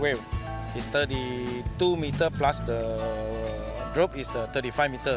layang layang paus ini berbeda tiga puluh dua meter dan layang layang paus ini tiga puluh lima meter